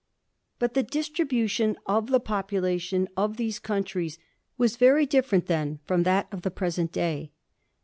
But the distribution of the population of these countries was very different then from that of the present day.